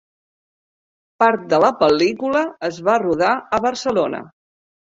Part de la pel·lícula es va rodar a Barcelona.